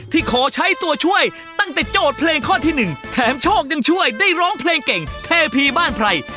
ขอใช้ตัวช่วยตั้งแต่โจทย์เพลงข้อที่๑แถมโชคยังช่วยได้ร้องเพลงเก่งเทพีบ้านไพร